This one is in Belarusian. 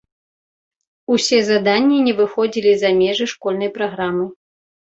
Усе заданні не выходзілі за межы школьнай праграмы.